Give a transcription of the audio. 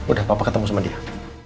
udah papa ketemu sama dia